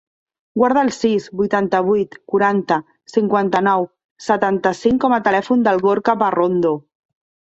Guarda el sis, vuitanta-vuit, quaranta, cinquanta-nou, setanta-cinc com a telèfon del Gorka Parrondo.